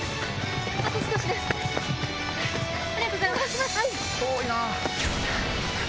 ありがとうございます。